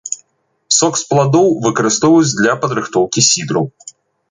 Сок з пладоў выкарыстоўваюць для падрыхтоўкі сідру.